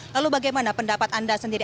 lalu bagaimana pendapat anda sendiri